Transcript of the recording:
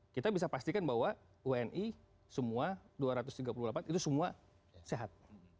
kita bisa pastikan bahwa wni semua dua ratus tiga puluh delapan itu semua sehat